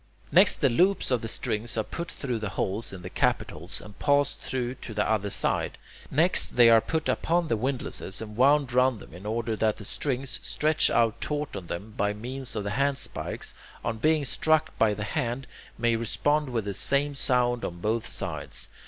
Next, the loops of the strings are put through the holes in the capitals, and passed through to the other side; next, they are put upon the windlasses, and wound round them in order that the strings, stretched out taut on them by means of the handspikes, on being struck by the hand, may respond with the same sound on both sides.